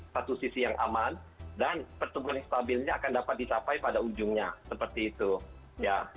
satu sisi yang aman dan pertumbuhan stabilnya akan dapat dicapai pada ujungnya seperti itu ya